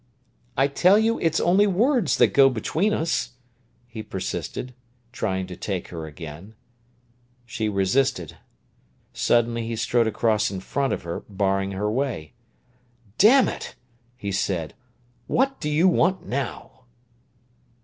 "I tell you it's only words that go between us," he persisted, trying to take her again. She resisted. Suddenly he strode across in front of her, barring her way. "Damn it!" he said. "What do you want now?"